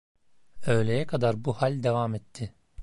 Öğleye kadar bu hal devam etti.